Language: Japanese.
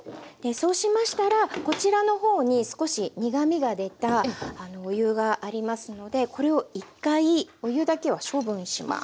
そうしましたらこちらの方に少し苦みが出たお湯がありますのでこれを１回お湯だけは処分します。